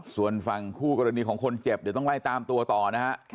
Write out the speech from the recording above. ส่วนฝั่งคู่กรณีของคนเจ็บเดี๋ยวต้องไล่ตามตัวต่อนะฮะ